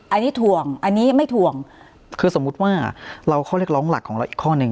อันนี้ถ่วงอันนี้ไม่ถวงคือสมมุติว่าเราข้อเรียกร้องหลักของเราอีกข้อหนึ่ง